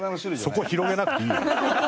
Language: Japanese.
そこは広げなくていいよ。